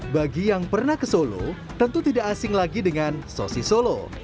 bagi yang pernah ke solo tentu tidak asing lagi dengan sosis solo